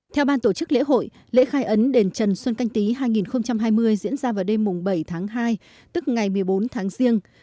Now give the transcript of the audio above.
theo ban tổ chức lễ hội lễ khai ấn đền trần xuân canh tí hai nghìn hai mươi diễn ra vào đêm bảy tháng hai tức ngày một mươi bốn tháng riêng